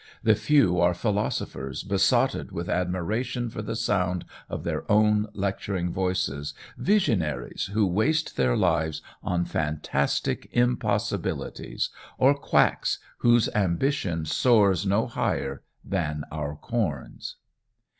The few are philosophers besotted with admiration for the sound of their own lecturing voices, visionaries who waste their lives on fantastic impossibilities, or quacks whose ambition soars no higher than our corns."